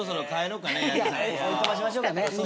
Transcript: おいとましましょうかね。